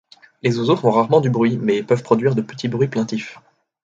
Les oiseaux font rarement du bruit, mais peuvent produire de petits bruits plaintifs.